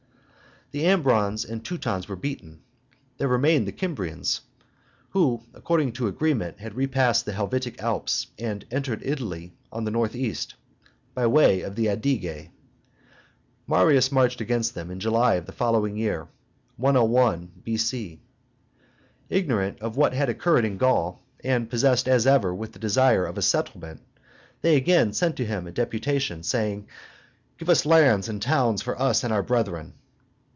The Ambrons and Teutons beaten, there remained the Kymrians, who, according to agreement, had repassed the Helvetic Alps and entered Italy on the north east, by way of the Adige. Marius marched against them in July of the following year, 101 B.C. Ignorant of what had occurred in Gaul, and possessed, as ever, with the desire of a settlement, they again sent to him a deputation, saying, "Give us lands and towns for us and our brethren."